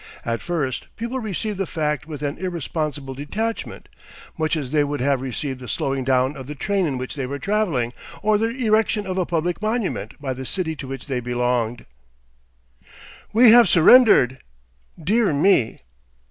At first people received the fact with an irresponsible detachment, much as they would have received the slowing down of the train in which they were travelling or the erection of a public monument by the city to which they belonged. "We have surrendered. Dear me!